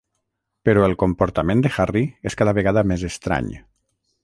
Però el comportament de Harry és cada vegada més estrany.